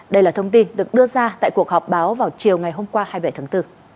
đây là thông tin được đưa ra tại cuộc họp báo vào chiều ngày hôm qua hai mươi bảy tháng bốn